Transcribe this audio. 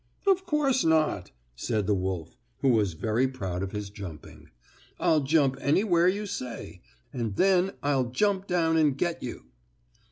"Of course not!" said the wolf, who was very proud of his jumping. "I'll jump anywhere you say, and then I'll jump down and get you."